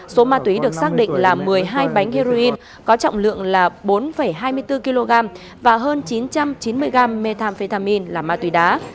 số ma túy được xác định là một mươi hai bánh heroin có trọng lượng là bốn hai mươi bốn kg và hơn chín trăm chín mươi gram methamphetamin là ma túy đá